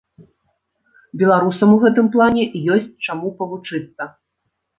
Беларусам у гэтым плане ёсць, чаму павучыцца.